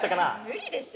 無理でしょ。